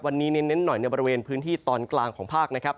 วันนี้เน้นหน่อยในบริเวณพื้นที่ตอนกลางของภาคนะครับ